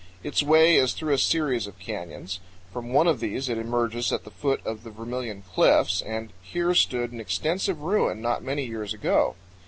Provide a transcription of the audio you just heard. Its way is through a series of canyons. From one of these it emerges at the foot of the Vermilion Cliffs, and here stood an extensive ruin not many years ago.